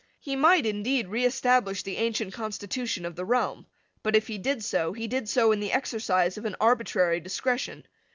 He might, indeed, reestablish the ancient constitution of the realm. But, if he did so, he did so in the exercise of an arbitrary discretion.